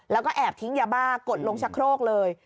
แล้วก็แอบทิ้งยาบ้ากดลงชะโครกเลย